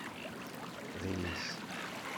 Ɣiz.